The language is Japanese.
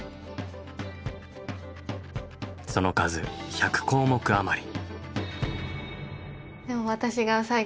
その数１００項目余り。